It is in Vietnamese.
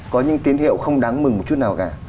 có những tín hiệu không đáng mừng một chút nào cả